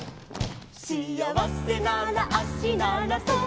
「しあわせなら足ならそう」